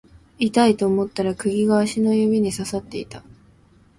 痛いと思ったら釘が足の指に刺さっていた